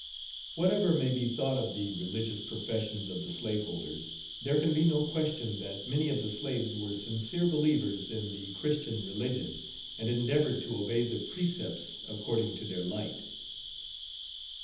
Whatever may be thought of the religious professions of the slave holders, there can be no question that many of the slaves were sincere believers in the Page 52 Christian religion, and endeavored to obey the precepts according to their light.